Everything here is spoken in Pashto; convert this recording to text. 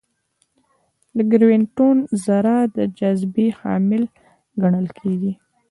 د ګرویتون ذره د جاذبې حامل ګڼل کېږي.